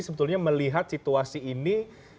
sebetulnya melihat situasi ini